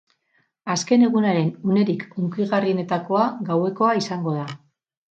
Azken egunaren unerik hunkigarrienetakoa gauekoa izango da.